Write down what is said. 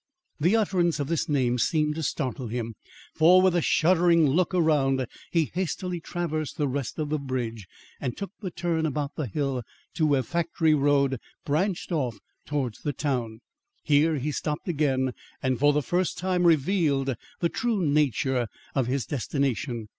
The utterance of this name seemed to startle him, for, with a shuddering look around, he hastily traversed the rest of the bridge, and took the turn about the hill to where Factory Road branched off towards the town. Here he stopped again and for the first time revealed the true nature of his destination.